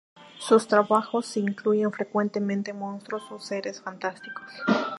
Sus trabajos incluyen frecuentemente monstruos o seres fantásticos.